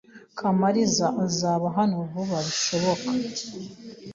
Kamariza azaba hano vuba bishoboka.